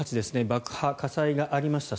爆破、火災がありました。